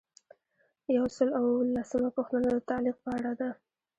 یو سل او اووه لسمه پوښتنه د تعلیق په اړه ده.